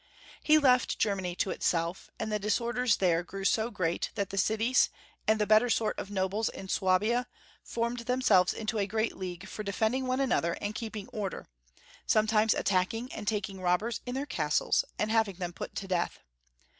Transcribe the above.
He left Germany to itself, and the dis orders there grew so great that the cities, and the better sort of nobles in Swabia, formed themselves into a great league for defending one another and keeping order, sometimes attacking and taking rob bers in their castles, and having them put to death.